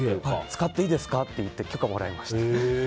使っていいですかって言って許可もらいました。